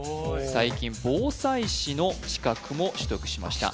最近防災士の資格も取得しました